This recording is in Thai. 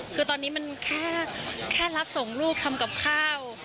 คือตอนนี้มันแค่รับส่งลูกทำกับข้าว